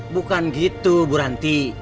bukan gitu bu ranti